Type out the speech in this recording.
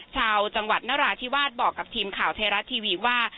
ชาวจังหวัดนราธิวาสบอกกับทีมข่าวไทยรัฐทีวีว่า